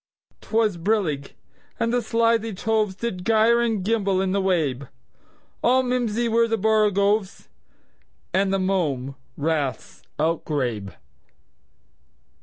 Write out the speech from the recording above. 'T was brillig, and the slithy tovesDid gyre and gimble in the wabe; All mimsy were the borogoves, And the mome raths outgrabe.